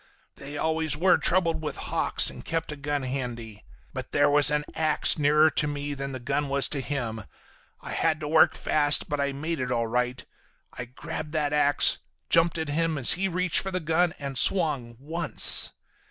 They always were troubled with hawks and kept a gun handy. But there was an ax nearer to me than the gun was to him. I had to work fast but I made it all right. I grabbed that ax, jumped at him as he reached for the gun, and swung—once.